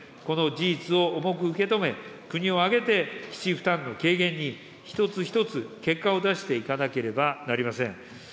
この事実を重く受け止め、国を挙げて基地負担の軽減に、一つ一つ結果を出していかなければなりません。